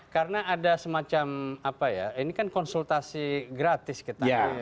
karena ada semacam apa ya ini kan konsultasi gratis kita